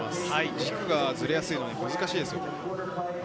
軸がずれやすいので難しいんですよ。